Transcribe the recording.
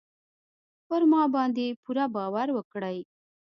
پر ما باندې پوره باور وکړئ.